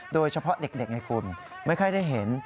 โดยเฉพาะเด็กไงคุณไม่ค่อยได้เห็น